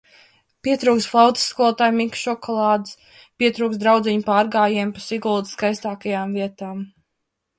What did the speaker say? Pietrūkst flautas skolotāja Mika šokolādes! Pietrūkst draudzeņu pārgājiena pa Siguldas skaistākajām vietām!